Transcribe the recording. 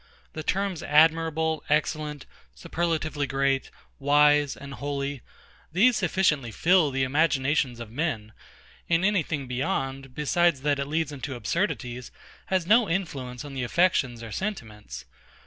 The terms, admirable, excellent, superlatively great, wise, and holy; these sufficiently fill the imaginations of men; and any thing beyond, besides that it leads into absurdities, has no influence on the affections or sentiments.